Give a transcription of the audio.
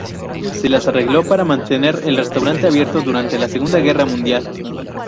Se las arregló para mantener el restaurante abierto durante la Segunda Guerra Mundial.